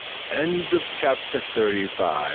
CHAPTER THIRTY SIX.